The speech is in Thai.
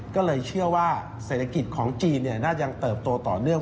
ก็เลยเชื่อว่าเศรษฐกิจของจีนน่าจะเติบโตต่อเนื่อง